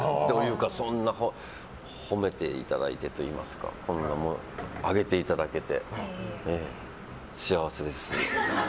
そんな、褒めていただいてといいますかあげていただけて幸せです。